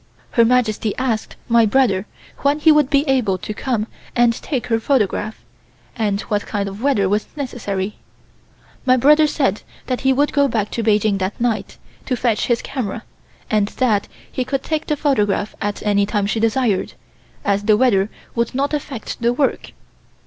Her Majesty asked my brother when he would be able to come and take her photograph, and what kind of weather was necessary. My brother said that he would go back to Peking that night, to fetch his camera, and that he could take the photograph at any time she desired, as the weather would not affect the work.